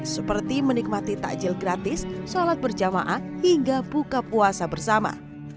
seperti menikmati takjil gratis sholat berjamaah hingga buka puasa bersama